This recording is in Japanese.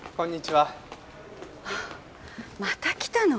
はあまた来たの？